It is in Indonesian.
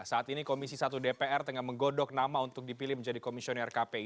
saat ini komisi satu dpr tengah menggodok nama untuk dipilih menjadi komisioner kpi